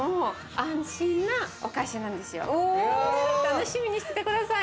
楽しみにしてて下さい。